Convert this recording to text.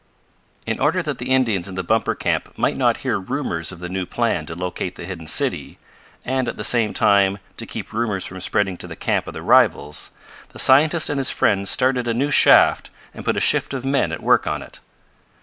In order that the Indians in the Bumper camp might not hear rumors of the new plan to locate the hidden city, and, at the same time, to keep rumors from spreading to the camp of the rivals, the scientist and his friends started a new shaft, and put a shift of men at work on it.